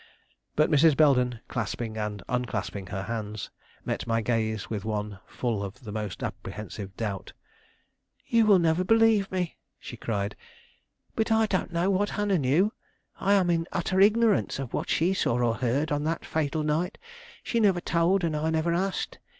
But Mrs. Belden, clasping and unclasping her hands, met my gaze with one full of the most apprehensive doubt. "You will never believe me," she cried; "but I don't know what Hannah knew. I am in utter ignorance of what she saw or heard on that fatal night; she never told, and I never asked.